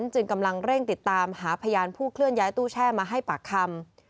จึงกำลังเร่งติดตามหาพยานผู้เคลื่อนย้ายตู้แช่มาให้ปากคำ